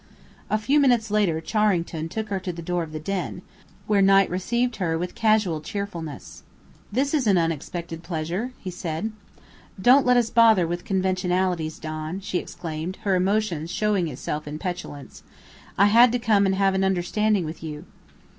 A few minutes later Charrington took her to the door of the "den," where Knight received her with casual cheerfulness. "This is an unexpected pleasure!" he said. "Don't let us bother with conventionalities, Don!" she exclaimed, her emotion showing itself in petulance. "I had to come and have an understanding with you."